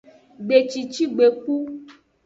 Gbecici gbegbu.